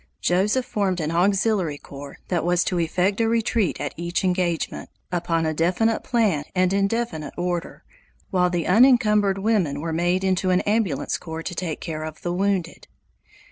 Joseph formed an auxiliary corps that was to effect a retreat at each engagement, upon a definite plan and in definite order, while the unencumbered women were made into an ambulance corps to take care of the wounded.